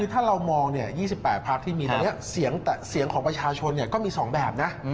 ถ้าเรามอง๒๘พักที่มีตอนนี้เสียงของประชาชนก็มี๒แบบนะ